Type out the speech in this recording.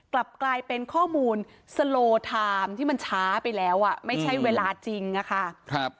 กลับกลายเป็นข้อมูลสโลไทม์ที่มันช้าไปแล้วอ่ะไม่ใช่เวลาจริงอะค่ะ